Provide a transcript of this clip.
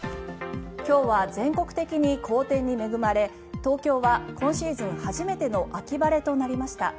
今日は全国的に好天に恵まれ東京は今シーズン初めての秋晴れとなりました。